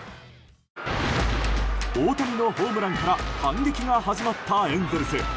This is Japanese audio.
大谷のホームランから反撃が始まったエンゼルス。